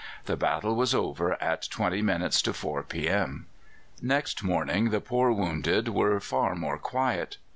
The battle was over at twenty minutes to four p.m." Next morning the poor wounded were far more quiet.